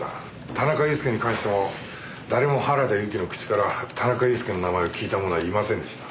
田中裕介に関しても誰も原田由紀の口から田中裕介の名前を聞いた者はいませんでした。